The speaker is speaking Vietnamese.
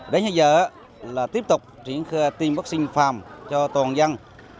đến giờ là tiếp tục triển khai tiêm vaccine phòng cho toàn dân